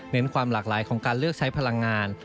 ความหลากหลายของการเลือกใช้พลังงาน